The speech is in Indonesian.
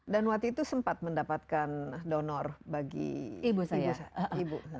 dan waktu itu sempat mendapatkan donor bagi ibu